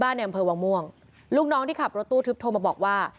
ในอำเภอวังม่วงลูกน้องที่ขับรถตู้ทึบโทรมาบอกว่า